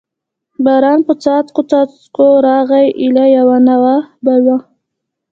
باران په څاڅکو څاڅکو راغی، ایله یوه ناوه به و.